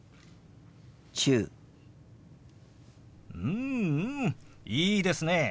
うんうんいいですね。